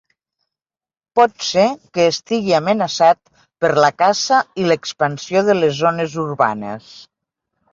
Pot ser que estigui amenaçat per la caça i l'expansió de les zones urbanes.